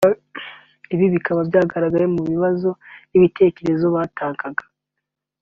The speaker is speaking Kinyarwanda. ibi bikaba byagaragariye mu bibazo n’ibitekerezo batangaga